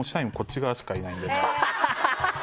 ハハハハ！